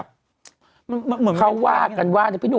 มีสารตั้งต้นเนี่ยคือยาเคเนี่ยใช่ไหมคะ